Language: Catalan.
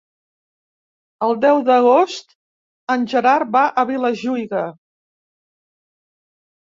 El deu d'agost en Gerard va a Vilajuïga.